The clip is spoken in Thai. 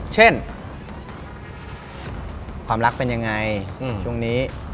เช่นความรักเป็นยังไงช่วงนี้